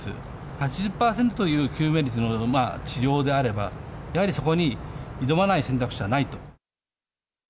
８０％という救命率の治療であれば、やはりそこに挑まない選択肢